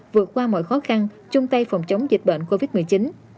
vượt qua mọi khó khăn chung tay phòng chống dịch bệnh covid một mươi chín